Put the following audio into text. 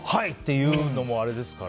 言うのもあれですから。